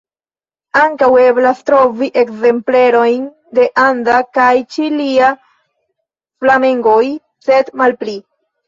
Ankaŭ eblas trovi ekzemplerojn de anda kaj ĉilia flamengoj, sed malpli.